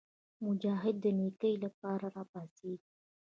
مجاهد د نیکۍ لپاره راپاڅېږي.